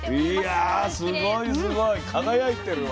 いやすごいすごい輝いてるわ。